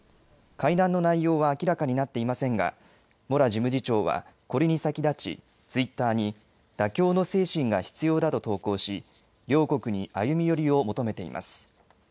会談の内容は明らかになっていませんが、モラ事務次長は、これに先立ち、ツイッターに妥協の精神が必要だと投稿し、両国に歩み寄りを求めています。